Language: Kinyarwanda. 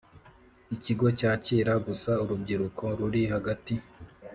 Ikigo cyakira gusa urubyiruko ruri hagati